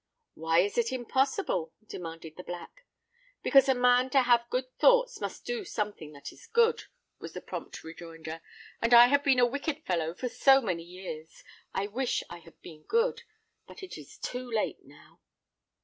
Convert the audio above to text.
"Why is it impossible?" demanded the Black. "Because a man to have good thoughts, must do something that is good," was the prompt rejoinder; "and I have been a wicked fellow for so many years. I wish I had been good; but it is too late now!"